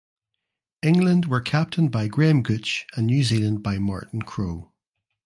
England were captained by Graham Gooch and New Zealand by Martin Crowe.